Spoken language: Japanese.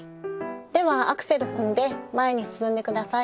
ではアクセル踏んで前に進んで下さい。